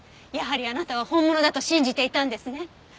やはりあなたは本物だと信じていたんですね。